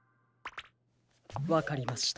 わかりました。